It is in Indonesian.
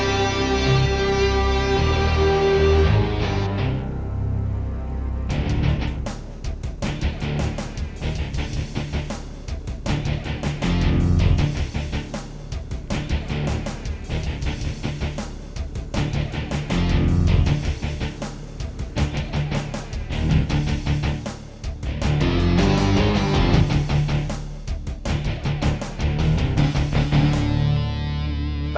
dalam bekerja bersama